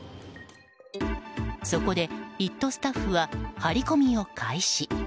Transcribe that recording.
そこで、「イット！」スタッフは張り込みを開始。